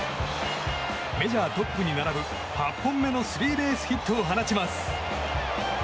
メジャートップに並ぶ、８本目のスリーベースヒットを放ちます。